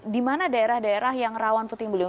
di mana daerah daerah yang rawan puting beliung